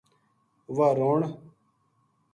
واہ رون